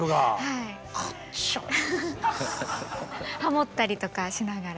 ハモったりとかしながら。